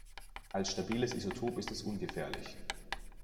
Als stabiles Isotop ist es ungefährlich.